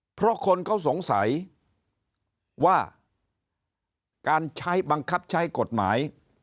เพราะคนเขาสงสัยว่าการใช้บังคับใช้กฎหมาย